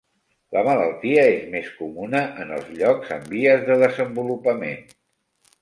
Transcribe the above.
La malaltia és més comuna en els llocs en vies de desenvolupament.